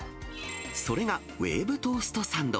それがウェーブトーストサンド。